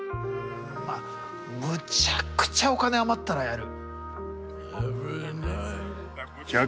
まあむちゃくちゃお金余ったらやる。